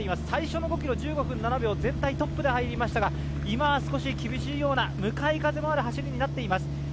最初の５ｋｍ、１５分７秒、全体のトップで入りましたが今は少し厳しいような、向かい風もある走りになっています。